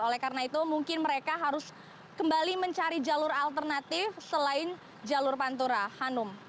oleh karena itu mungkin mereka harus kembali mencari jalur alternatif selain jalur pantura hanum